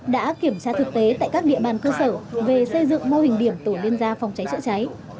đã kiểm tra thực tế tại các địa bàn cơ sở về xây dựng mô hình điểm tổ liên gia phòng cháy chữa cháy